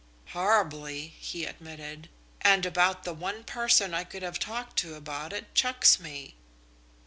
"Horribly," he admitted, "and about the one person I could have talked to about it chucks me."